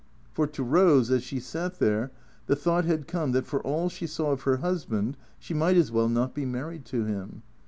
For to Rose, as she sat there, the thought had come that for all she saw of her husband she might as well not be married to him.